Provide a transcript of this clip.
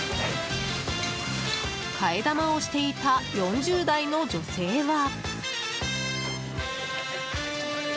替え玉をしていた４０代の女性は。